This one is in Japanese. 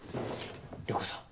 涼子さん。